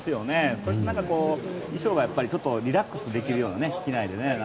それと、衣装がリラックスできるような機内で。